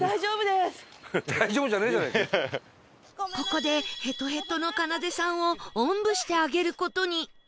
ここでヘトヘトのかなでさんをおんぶしてあげる事に